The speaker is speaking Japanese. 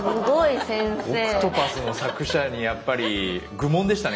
「海蛸子」の作者にやっぱり愚問でしたね